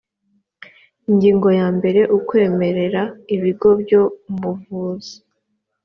ingingo ya mbere ukwemerera ibigo byo mu buvuzi